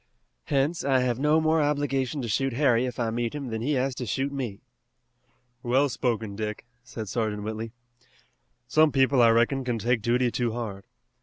Hence I have no more obligation to shoot Harry if I meet him than he has to shoot me." "Well spoken, Dick," said Sergeant Whitley. "Some people, I reckon, can take duty too hard.